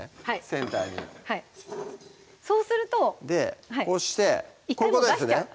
センターにそうするとこうしてこういうことですね